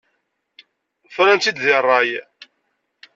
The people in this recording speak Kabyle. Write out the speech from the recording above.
Fran-tt-id deg ṛṛay.